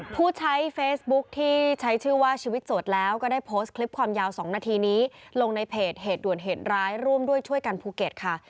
ผู้ใช้เฟซบุ๊คที่ใช้ชื่อว่าชีวิตโสดแล้วก็ได้โพสต์คลิปความยาว๒นาทีนี้ลงในเพจเหตุด่วนเหตุร้ายร่วมด้วยช่วยกันภูเก็ตค่ะ